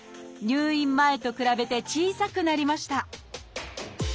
入院前と比べて小さくなりました！